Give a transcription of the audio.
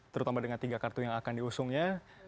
terutama dengan tiga kartu yang akan diusungnya